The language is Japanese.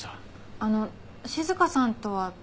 あの静香さんとは？